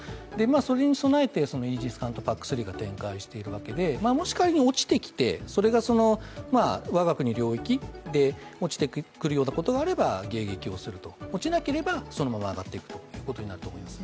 それに備えてイージス艦とＰＡＣ３が展開しているわけで、もし仮にそれが我が国領域で落ちてくるようなことがあれば迎撃をする、落ちなければ、そのまま上がっていくことになります。